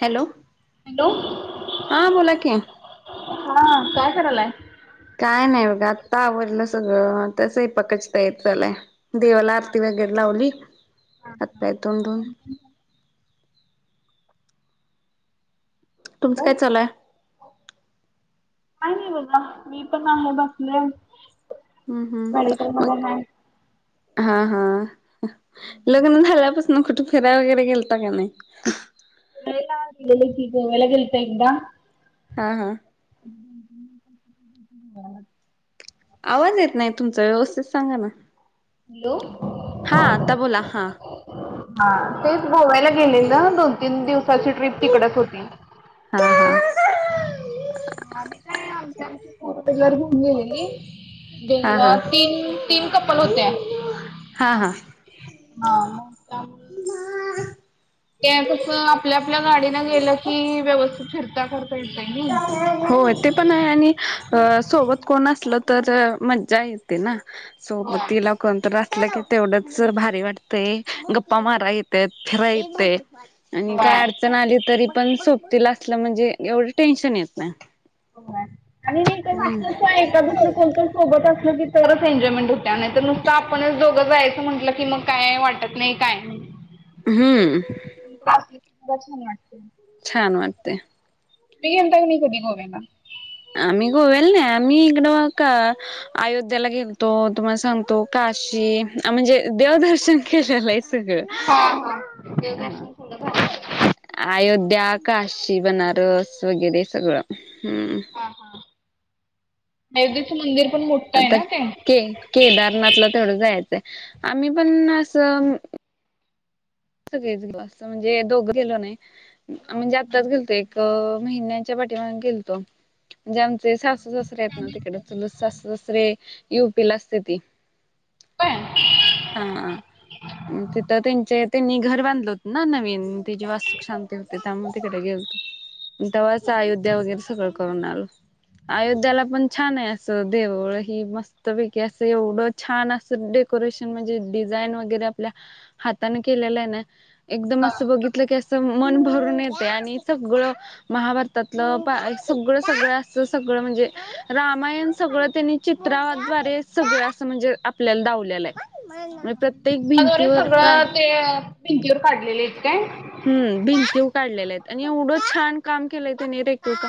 Hello! Hello हा बोला की. हा, काय करालाय? काय नाही, बघा आत्ता आवरलं सगळं आत्ता स्वयंपाकाची तयारी चालू आहे. देवाला आरती वगैरे लावली, हात, पाय, तोंड धुऊन. तुमचं काय चालूयं? काही नाही, बघा मी पण आहे बसले. हम्म! हम्म मेडिकल मग मध्ये आहे. हा हा. लग्न झाल्यापासून कुठं फिरायं वगैरे गेलता, की नाही? [unintelligible] गोव्याला गेलतो, एकदा हां हां. आवाज येत नाही, तुमचा व्यवस्थित सांगा ना. हॅलो! हा आता बोला हा हा तेच गोव्याला गेलेलं दोन, तीन दिवसाची ट्रिप तिकडच होती. हा हा. [unintelligible] गली हा देव हा तीन, तीन कप्पल होत्या. हा हा ह. [inaudible] ते कस आपल्या आपल्या गाडीनं गेलं की व्यवस्थित फिरता करता येतय नाही. हो ते पण आहे, आणि अ सोबत कोण असलं तर मज्जा येईल. ते ना होय. सोबतीला कोण, तर असल म्हटलं की तेवढंच भारी वाटतयं, गप्पा माराय येत्यात फिराय येतेय. आणि काय होय अडचण आली, तरी पण सोबतीला असलं म्हणजे एवढं टेन्शन येत नाही. [unintelligible] कोणतं सोबत असलं की तरच एन्जॉयमेंट होत्या, नाही तर नुसतं आपणच दोघं जायचं म्हटलं, की मग काय वाटत नाही काय? हम्म! [inaudible] छान! वाटतयं. [unintelligible] गोव्याला आम्ही गोव्याला नाही आम्ही इकडं का अयोध्याला गेलतो, तुम्हाला सांगतो काशी म्हणजे, देवदर्शन केलेलं आहे सगळं. हा हा देवदर्शन थोडं झालेय, म्हणा. अयोध्या, काशी, बनारस वगैरे सगळं. हम्म! हा हा अयोध्याच मंदिर पण मोठं आहे, आता ना ते. के केदारनाथला तेवढं जायचंय, आम्ही पण असं. म्हणजे दोघ गेलो नाही म्हणजे आत्ताच गेलतो एक महिन्याच्या पाठीमाग गेलतो म्हणजे आमचे सासू सासरे आहेत ना तिकडे तु ससरे यूपी ला असते ती काय? हा म तिथं त्यांचे त्यांनी घर बांधलं होत ना नवीन तची वास्तूक शांती होते त्यामुळे तिकडे गेल होतो तेव्हाच अयोध्या वगैरे सगळं करून आल अयोध्याला पण छान आहे असं देवळ हि मस्तपैकी असं एवढं छान अस डेकोरेशन म्हणजे डिझाईन वगैरे आपल्या हाताने केलेलं आहे ना एकदम हा. असं बघितलं की असं मन भरून येते आणि सगळं महाभारतातलं सगळं सगळं असं सगळं म्हणजे रामायण सगळं त्यांनी चित्राद्वारे सगळं असं म्हणजे आपल्याला ावलेलं आहे प्रत्येक भिंतीवर काय पिंची ववर काढलेले आहेतत काय हम् भिंती उ काढलेले आहेत आणि एवढंच छान काम केलंय त्यां नि रेकता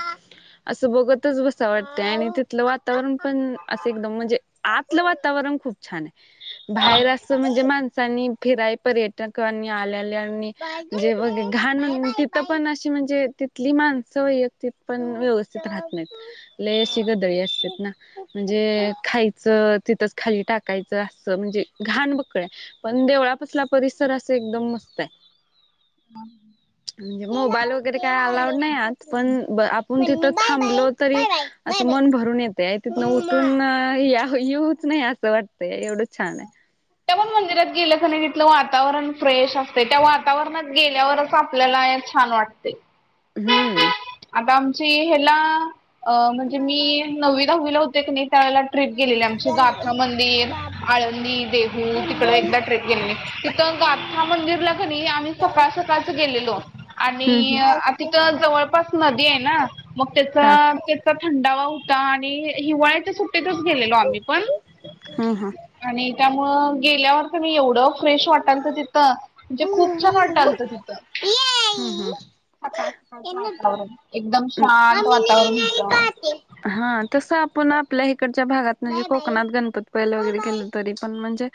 असं बघतच बस आ वाटतं आणि तिथलं वातावरण पण असं एकदम म्हणजे आतलं वातावरण खूप छान आहे हा. बाहेर अस म्हणजे माणसांनी फिराई पर्यटकांनी आल्याल्या जे ब घाण म्हण तिथ पण अशी म्हणजे तिथली माणसं त पण व्यवस्थित राहत नाहीत लय अशी गदळी असते ना म्हणजे खायचं तिथंच खाली टाकायचं असं म्हणजे घाण बकळय पण देवळापसला परिसर असं एकदम मस्त आहे ब म्हणजे मोबाईल वगैरे काही अलाउड नाही आत पण आपण तिथं थांबलो तरी असं मन भरून येते तिथूनं उतरून येऊच नाही असं वाटतं एवढंच छान आहे त्या पण मंदिरात गेलं क नाहीघथलं वातावरण फ्रेश असते त्या वातावरणात गेल्यावरच आपल्याला छान वाटतं ते हम्म आता आमची हला अ म्हणजे मी नववी दववीला होते की नाही त्यावेळेला ट्रीिप गेलेली आमची गाथा मंदिर आळंदी देहू हम्म तिकड एकदा ट्र्रीप गेलेली तिथं गाथा मंदिरला करी आम्ही सकाळ सकाळच गेलेलो आणि हम्म हा आ तिथ जवळपास नदी आहे ना मग त्याच ते थंडावा होता आणि हिवाळ्याच्या सुट्टतच गेलेलो आम्ही पण हम्म हा. आणि त्यामुळं गेल्यावर तर मी एवढं फ्रेश वाटाल तर तिथं म्हणजे खूप छान हम्म वाट ालत तिथं हम्म. वातावरण एकदम शांत मम्मी नाही वातावरण नाही होतं खाते. हा तसं आपण आपल्या इकडच्या भागात म्हणजे कोकणात गणपती पायलं वगैरे केलं तरी पण म्हणजे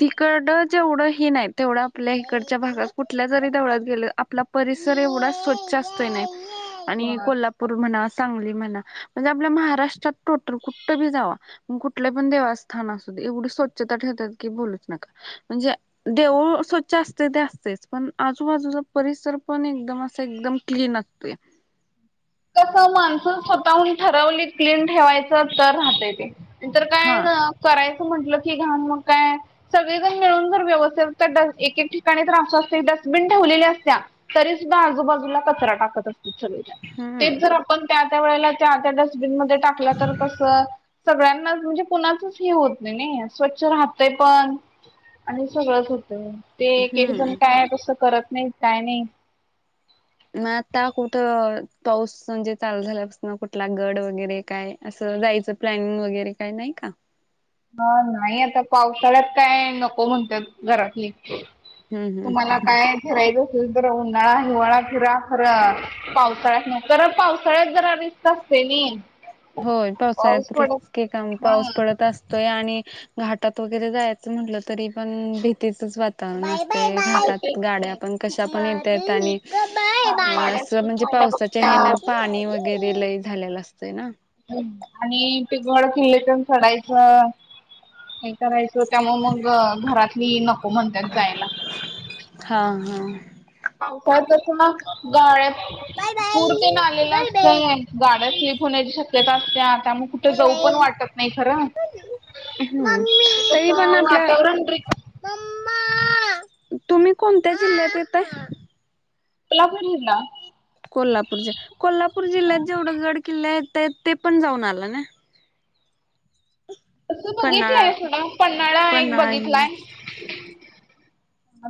तिकड जेवढं हे नाही तेवढं आपल्या इकडच्या भागात कुठल्या जरी तेवळात गेलं आपलं परिसर एवढा स्वच्छ असतो नाही आणि होय. कोल्हापूर म्हणा सांगली म्हणा म्हणजे आपल्या महाराष्ट्रात टोटल कुठं बी जावा मग कुठल्या पण देवास्थानाध एवढी स्वच्छता ठेवतात की बोलूच नका म्हणजे देवळ स्वच्छ असते ते असतेच पण आजूबाजूचा परिसर पण एकदम असं एकदम क्लीन असते कस मान्सून स्वतःहून ठरवली क्लीन ठेवायचं तर राहतं ते काय हां करायचं म्हंटलं की घा मग काय सगळेजण मिळून जर व्यवस्थित एक ठिकाणी तर असस्त डस्टबिन ठेवलेल्या असत्या तरी सुद्धा आजूबाजूला कचरा टाकत असत सग हम्म तेच जर आपण त्या त्या वेळेला त्या त्या डस्टबिनमध्येध्ये टाकलं तर कसं सगळ्यांनाच म्हणजे कुणाचच हे होत नाही ना स्वच्छ राहतय पण आणि सगळंच होतं ते एक एक जण हम्म काय तसं करत नाही काय नाही मग आता कुठं पाऊस म्हणजे चालू झाल्यापासून कुठला गड वगैरे काय असं जायचं प्लॅनिंग वगैरे काही नाही का हा नाही आता पावसाळ्यात काय नको म्हणत घरातली हम्म हम्म तुम्हाला काय फिरायचं असेल तर उन्हाळा हिवाळा फिरा खरं पावसाळ्यात नाही तर पावसाळ्यात जरा रिस्त असते ना होय पावसाळ्यातके काम पाऊस हा पडत असत य आणि घाटात वगैरे जायचं म्हटलं तरी पण भीतीचच वातावरण असत ते तेच घटात गाड्या की पण कशा पण येत आहेत आणि हा गाड्या अस स्लीप म्हणजे व्हायला पावसाच्या हेन बघतात पाणी वगैरे ल झालेलं असतंय ना आणि टिकमड किल्लेतण चढायचं हे करायचं त्यामु मग घरातली नको म्हणतात जायला हा हा तर तस ना गळ्यात बाय बाय पूरते ना आलेला बाय असत बाय आहे गाड्या स्लीप होण्याची शक्यता असत्या त्यामु तर बाय जाऊ पण बाय. वाटत नाही खरस हम्म वातावरण र म्मा तुम्ही कोणत्या जिल्ह्यात येतय तुला करल ना कोल्हापूरच्या कोल्हापूर जिल्ह्यात जेवढं गड किल्ले येत ते पण जाऊन आलं ना असं पन्हाळा बघितलंयट म पन््हाळा एक पन्हाळा बघितलाय हे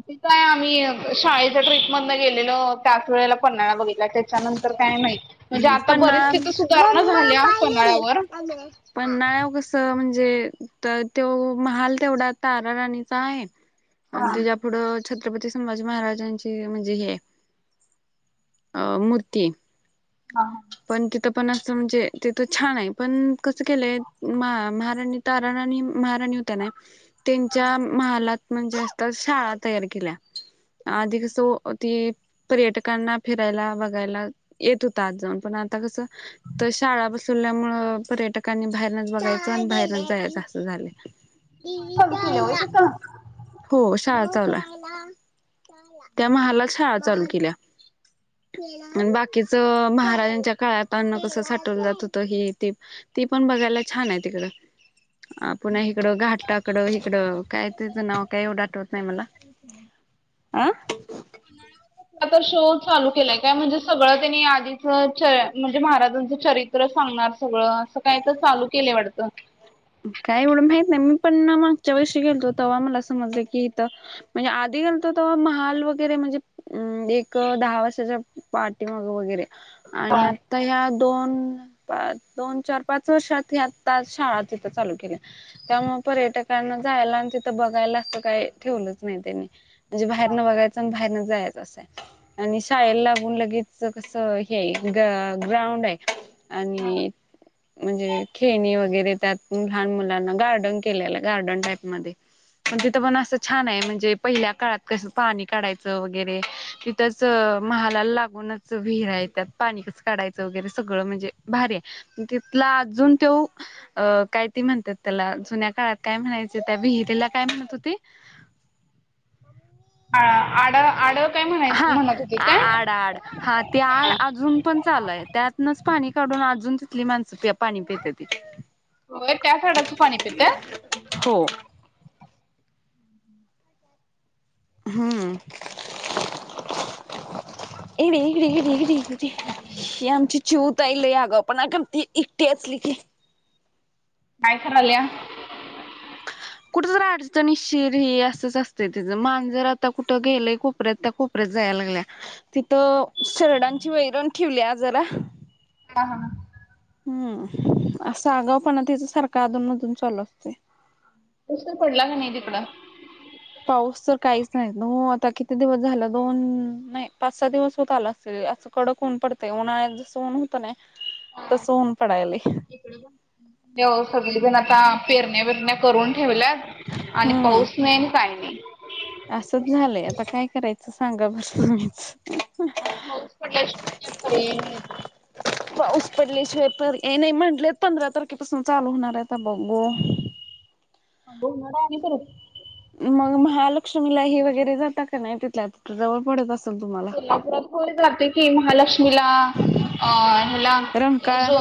ती काय आम्ही शाळेच्या ट्रीप मध गेलेलो त्याच वेळेला पनण्याला बघितल्या त्याच्यानंतर काय माहित म्हणजे ह आता पण बरीच तिथं सुधारणा मम्मा झाल्या पाय पन्हाळ्यावर गेली पनाळ्याव कस म्हणजे तो महाल तेवढा तारा राणीचा आहे ह् आणि त्याच्या पुुढं छत्रपती संभाजी महाराजांची म्हणजे हे मूर्ती हा पण तिथं पण असं म्हणजे तिथं छान आहे पण कसं केलंय महाराणी ताराणणी महाराणी होत नाही त्यांच्या महालात म्हणजे असत शाळा तयार केल्या आधी कसो ती पर्यटकांना फिरायला बघायला येत हो तात जाऊन पण आता कसं तर शाळा बसवल्यामु पर्यटकांनी बाहेरनच बघायचं आणि बाहेरच जायचं असं झालं चालू केल्या आई होय तिथं हो शाळा चाला त्या महाला शाळा चालू केल्या बाकी महाराजांच्या काळात अन्न कसं साठवलं जात होतं हे ते ती पण बघायला छान आहे तिकडं अ पुन्हा इकडं घाटाकडं इकडं काय त्याचं नाव काय एवढं आठवत नाही मला आं प आता शो चालू केलाय काय म्हणजे सगळं त्यांनी आधीच च म्हणजे महाराजांचं चरित्र सांगणार सगळं असं काय तर चालू केलंय वाटतं काय एवढं माहित नाही मी पण मागच्या वर्शीी गेलो ते्हा मला समजलं की इथं म्हणजे आधी घालतो तर महाल वगैरे म्हणजे अम् एक दहा वाजताच्या पार्टी मग वगैरे आणि हा. आता ह्या दोन पा दोन चार पाच वर्षात ह आ ताश चित्र चालू केलं त्या म पर्यटकांना जायला आणि तिथं बघायला असं काही ठेवलंच नाही त्यानी म्हणे बाहेरनं बघायं आणिण बाहेर जायं आणि शाळेला लागून लगेच कस हे ग्राउंड आहे आणि म्हणजे खेळणी वगैरे त्यात लहान मुलांना गार्डन केलेलं गार्डन टाईप मध्ये मग तिथं पण असं छान आहे म्हणजे पहिल्या काळात कसं पाणी काढायचं वगैरे तिथंच महालाला लागूनच विहिराय त्यात पाणीच काढायचं वगैरे सगळं म्हणजे भारी आहे. तिथला अजून तो अ काय त म्हणतात त्याला जुन्या काळात काय म्हणायचं त्या विहिरीला काय म्हणत होती. ह आड आड काय म्हणाय हा म्हणत होती काय? आड आड हा ते आड अजून पण चालय त्यातनच पाणी काढून अजून तिथली माणसं पाणी प त होय त्या झाडाचं पाणी पित्यात. हो हम्म ए रेकडे ठीक ठीक [inaudible] ही आमची चिऊ ताई ले अगाऊ पण करते एकटी असली की काय करायल्या. कुठं तर अडचणी शिर ह असंच असते तिचं मान जर आता कुठं गेलंय कोपऱ्यात त्याप जाय लागल्या तिथ शरडांची वैरण ठेवली जरा हा हा हम्म असं आगावपणा तच्या सारखा अधूनमधून चाल असते. तुसर पडला का नाही तिकड पाऊस तर काहीच नाहीत हो आता किती दिवस झाला दोन नाही पाच सहा दिवस होत आला असेल असं. कडक ऊन पडते उन्हाळ्यात जसं ऊन होतं ना तसं ऊन पडायला. इडे ये सगळेजण आता पेरण्या पिरण्या करून ठेवल्यात. आणि हम्म पाऊस नाहीन काही नाही. असंच झालंय आता काय करायचं सांगा बर तु म्च पाऊस पडल्याशिवाय पर्याय नाही आता पाऊस पडल्या शिवायपर हे नाही म्हंटलेत पंधरा तारखेपासून चालू होणार आहेता बघू. [unintelligible] आणि परत मग महालक्ष्मीलाही वगैरे जाता का नाही तिथल्या त जवळ पडत असत. कोल्हापुरात होले जात की महालक्ष्मीला अ हला रंकाळा जो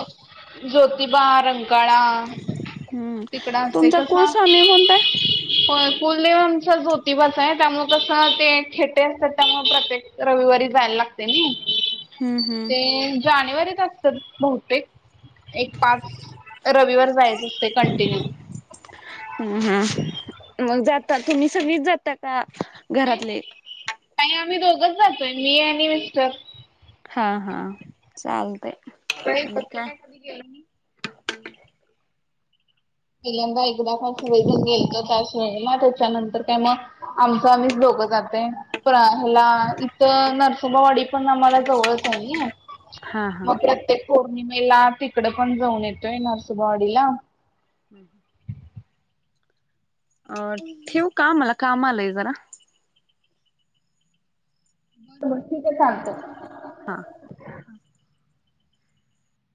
ज्योतिबा रंकाळा हम्म तिकडं असते तुमचा कस. कुळस्वामी कोणता आहे? हो कुलदेव आमचा ज्योतिबाास आहे त्यामुळे कसं ते खेटे असतात त्यामुळे प्रत्येक रविवारी जायला लागते ना हम्म हम्म. ते जानेवारीत असतात बहुतेक एक पाच रविवार जायचं असते कंटिन्यू हम हा मग जाता तुम्ही सगळीच जाता का घरातले. काही आम्ही दोघच जातोय मी आणि मिस्टर. हा हा चालते. सत्र काय कधी गेलं म पहिल्यांदा एकदा फस वेधून गेलतो त्या शेय मग त्याच्यानंतर काय मग आमच आम्च लोकं जाते पण हला इथ नरसुबावाडी पण आम्हाला जवळच आहे ना हा हा. मग प्रत्येक पौर्णिमेला तिकडे पण जाऊन येतोय नरसिबावाडीला हं ह अ ठेव का मला काम आलंय जरा. मुचीी ते खांयत. हा